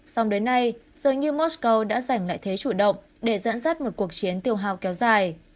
xong đến nay giới như moscow đã giành lại thế chủ động để dẫn dắt một cuộc chiến tiêu hào kéo dài